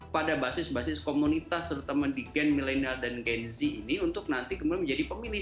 pada basis basis komunitas serta mendikin millennial dan gen z ini untuk nanti kemudian menjadi pemilih